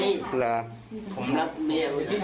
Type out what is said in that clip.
ผมรักเมียรู้นะ